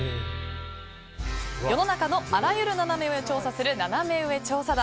世の中のあらゆるナナメ上を調査するナナメ上調査団。